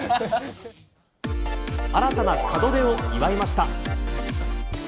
新たな門出を祝いました。